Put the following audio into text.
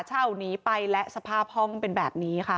เช่าหนีไปและสภาพห้องเป็นแบบนี้ค่ะ